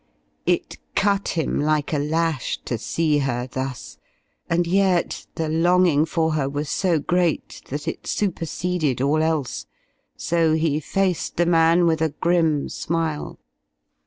It cut him like a lash to see her thus, and yet the longing for her was so great that it superseded all else. So he faced the man with a grim smile.